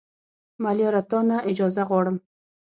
ملیاره تا نه اجازه غواړم